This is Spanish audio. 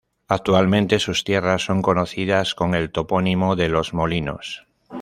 Actualmente sus tierras son conocidas con el topónimo de "Los Molinos".